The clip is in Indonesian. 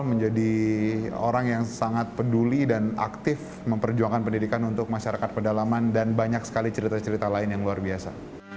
menjadi orang yang sangat peduli dan aktif memperjuangkan pendidikan untuk masyarakat pedalaman dan banyak sekali cerita cerita lain yang luar biasa